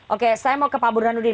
oke saya mau ke pak burhanuddin